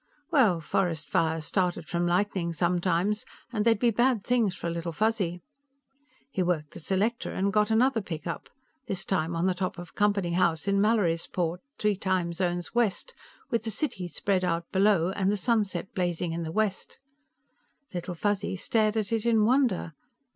Well, forest fires started from lightning sometimes, and they'd be bad things for a Little Fuzzy. He worked the selector and got another pickup, this time on the top of Company House in Mallorysport, three time zones west, with the city spread out below and the sunset blazing in the west. Little Fuzzy stared at it in wonder.